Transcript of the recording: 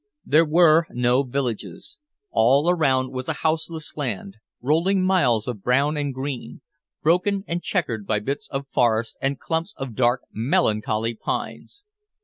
There were no villages. All around was a houseless land, rolling miles of brown and green, broken and checkered by bits of forest and clumps of dark melancholy pines.